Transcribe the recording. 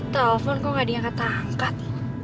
telepon kok gak diangkat angkat